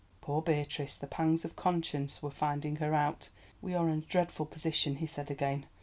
Poor Beatrice, the pangs of conscience were finding her out! "We are in a dreadful position," he said again.